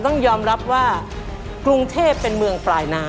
ต้องยอมรับว่ากรุงเทพเป็นเมืองปลายนา